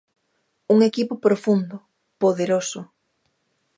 Un equipo profundo, poderoso.